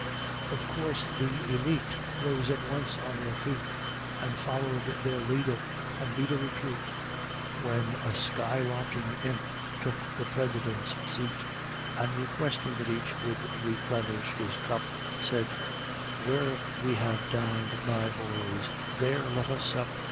Of course the élite Rose at once on their feet, And followed their leader, and beat a retreat: When a sky larking Imp took the President's seat, And requesting that each would replenish his cup, Said, "Where we have dined, my boys, there let us sup!"